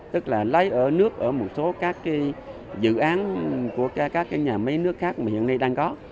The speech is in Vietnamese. tức là lấy ở nước ở một số các dự án của các nhà máy nước khác mà hiện nay đang có